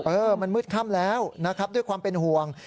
เออมันมืดค่ำแล้วนะครับด้วยความเป็นห่วง